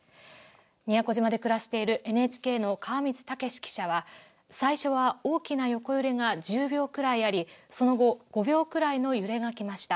宮古島で暮らしているＮＨＫの川満武記者は最初は大きな横揺れが１０秒くらいありその後、５秒くらいの揺れが来ました。